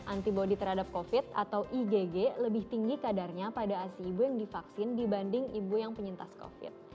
antibody terhadap covid atau igg lebih tinggi kadarnya pada asi ibu yang divaksin dibanding ibu yang penyintas covid